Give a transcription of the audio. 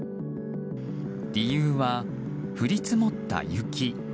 理由は降り積もった雪。